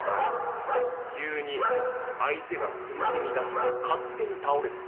急に相手が苦しみだして勝手に倒れたと。